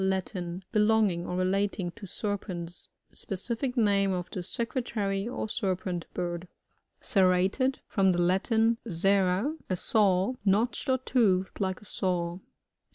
^Latin. Belonging or relating to serpents. Specific name of the Secretary or Serpent bird. Serrated. — From the Latin, serrat a saw. Notched or toothed like a saw.